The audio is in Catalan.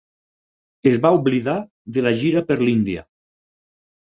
Es va oblidar de la gira per l'Índia.